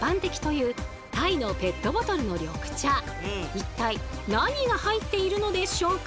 一体何が入っているのでしょうか？